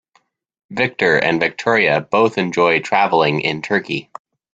Victor and Victoria both enjoy traveling in Turkey.